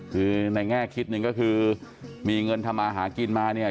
คือในแง่คิดหนึ่งก็คือมีเงินทำมาหากินมาเนี่ย